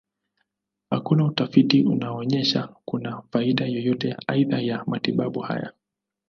Hakuna utafiti unaonyesha kuna faida yoyote aidha ya matibabu haya.